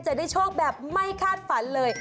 จะได้โชคแบบไม่คาดฝันเลย